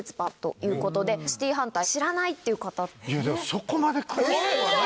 そこまで詳しくはない。